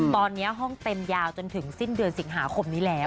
ตอนนี้ห้องเต็มยาวจนถึงสิ้นเดือนสิงหาคมนี้แล้ว